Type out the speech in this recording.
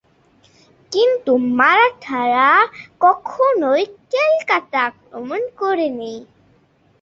কিন্তু মারাঠারা কখনই কলকাতা আক্রমণ করেনি।